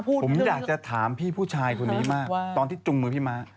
ผมอยากจะถามพี่ผู้ชายคนนี้มากตอนที่จุงมือพี่ม้า